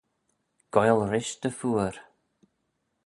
Goaill rish dty phooar.